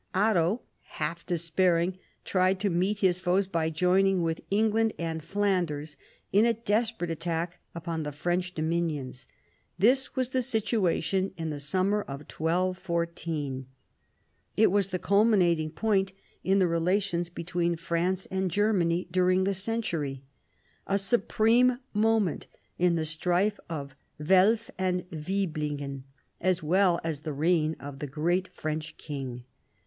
Otto, half despairing, tried to meet his foes by joining with England and Flanders in a desperate attack upon the French dominions. This was the situation in the summer of 1214. It was the culminating point in the relations between France and Germany during the century; a supreme moment in the strife of Welf and Wiblingen, as well as in the reign of the great French king.